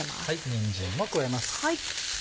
にんじんも加えます。